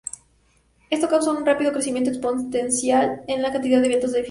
Esto causa un rápido incremento exponencial en la cantidad de eventos de fisión.